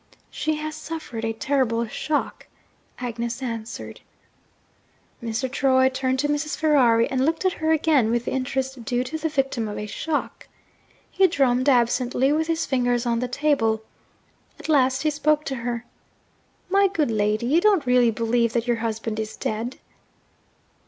'She has suffered a terrible shock,' Agnes answered. Mr. Troy turned to Mrs. Ferrari, and looked at her again, with the interest due to the victim of a shock. He drummed absently with his fingers on the table. At last he spoke to her. 'My good lady, you don't really believe that your husband is dead?'